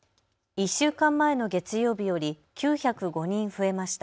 １週間前の月曜日より９０５人増えました。